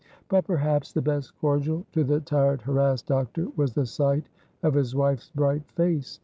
But perhaps the best cordial to the tired, harassed doctor was the sight of his wife's bright face.